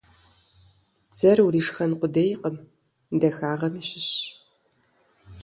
Дзэр уришхэн къудейкъым, дахагъэми щыщщ.